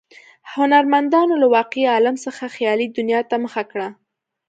هنرمندانو له واقعي عالم څخه خیالي دنیا ته مخه کړه.